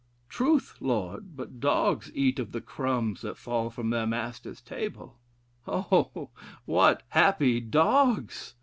'Truth, Lord! But the dogs eat of the crumbs that fall from their master's table!' O what happy dogs!